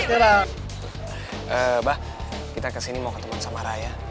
eh mbah kita kesini mau ketemu sama raya